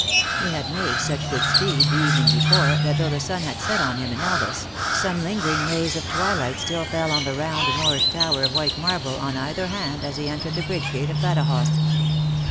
lie had made such good speed the evening before, that though the sun had set on him in Elvas, some lingering rays of twilight still fell on the round Moorish tower of white marble, on either hand, as he entered the bridge gate of Badajoz.